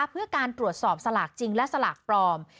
เพื่อการตรวจสอบสลากจริงและสลากปลอม